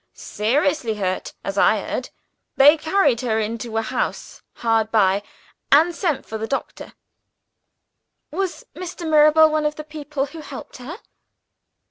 "Seriously hurt, as I heard. They carried her into a house hard by and sent for the doctor." "Was Mr. Mirabel one of the people who helped her?"